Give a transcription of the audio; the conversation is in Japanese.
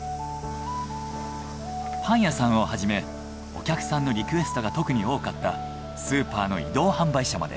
パン屋さんをはじめお客さんのリクエストが特に多かったスーパーの移動販売車まで。